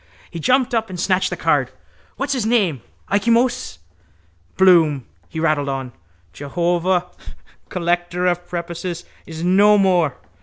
He jumped up and snatched the card. —What's his name? Ikey Moses? Bloom. He rattled on: —Jehovah, collector of prepuces, is no more.